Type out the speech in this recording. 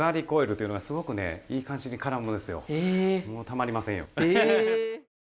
もうたまりませんよ。